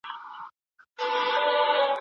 هغه د میراثي پاچاهۍ پلوي کوله.